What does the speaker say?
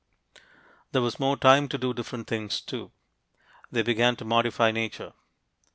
There was more time to do different things, too. They began to modify nature.